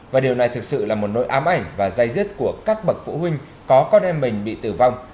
và điều này thực sự là một nỗi ám ảnh và dây dứt của các bậc phụ huynh có con em mình bị tử vong